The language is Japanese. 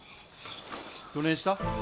どねぇした？